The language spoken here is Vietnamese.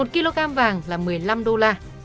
một kg vàng là một mươi năm đô la